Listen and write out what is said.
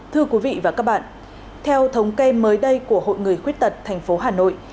thưa quý vị và các bạn theo thống kê mới đây của hội người khuyết tật thành phố hà nội